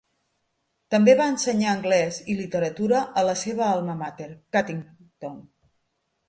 També va ensenyar anglès i literatura a la seva alma mater, Cuttington.